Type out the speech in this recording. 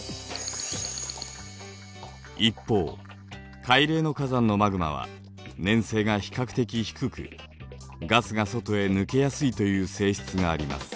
一方海嶺の火山のマグマは粘性が比較的低くガスが外へ抜けやすいという性質があります。